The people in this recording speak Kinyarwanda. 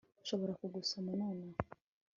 Nshobora kugusoma nonaha